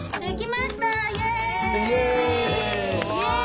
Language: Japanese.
イエイ！